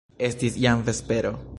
Estis jam vespero.